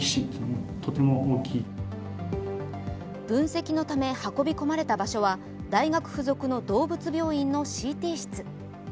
分析のため運び込まれた場所は大学付属の動物病院のＣＴ室。